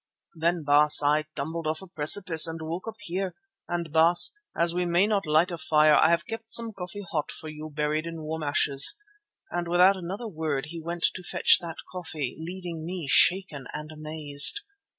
"Then, Baas, I tumbled off a precipice and woke up here; and, Baas, as we may not light a fire I have kept some coffee hot for you buried in warm ashes," and without another word he went to fetch that coffee, leaving me shaken and amazed.